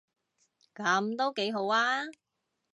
噉都幾好吖